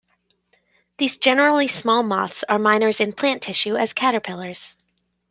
These generally small moths are miners in plant tissue as caterpillars.